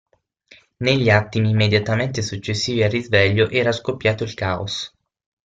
Negli attimi immediatamente successivi al risveglio era scoppiato il caos.